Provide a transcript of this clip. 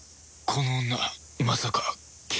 この女まさか警官！？